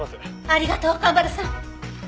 ありがとう蒲原さん！